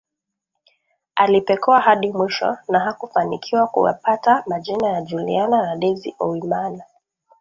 Alipekua hadi mwisho na hakufanikiwa kuyapata majina ya Juliana na Daisy Owimana